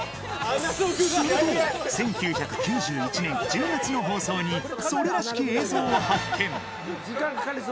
すると、１９９１年１０月の放送に、それらしき映像を発見。